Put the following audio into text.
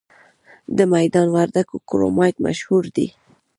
د میدان وردګو کرومایټ مشهور دی؟